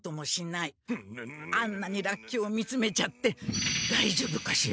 あんなにラッキョウを見つめちゃってだいじょうぶかしら？